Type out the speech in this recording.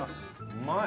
うまい。